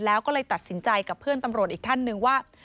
แล้วก็เลยตัดสินใจกับเพื่อนตำรวจอีกท่านหนึ่งว่า